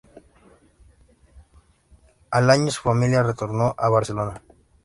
Al año su familia retornó a Barcelona.